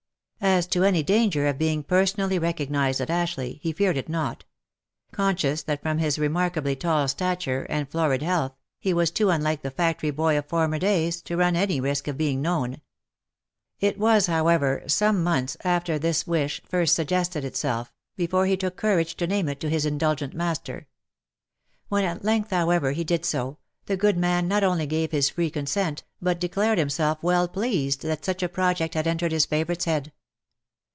As to any danger of being personally recognised at Ashleigh, he feared it not; conscious that from his remarkably tall stature and florid health, he was too unlike the factory child of former days, to run any risk of being known. It was, however, some months after this wish first suggested itself, be fore he took courage to name it to his indulgent master. When at length, however, he did so, the good man not only gave his free con sent, but declared himself well pleased that such a project had entered his favourite's head.